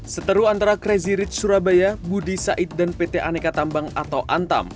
seteru antara crazy rich surabaya budi said dan pt aneka tambang atau antam